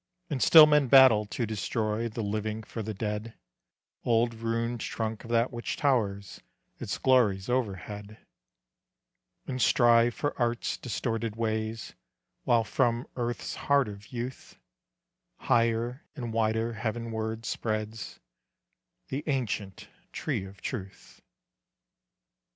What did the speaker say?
And still men battle to destroy The living for the dead Old ruined trunk of that which towers Its glories overhead: And strive for art's distorted ways, While from earth's heart of youth, Higher and wider heavenward spreads The ancient tree of truth.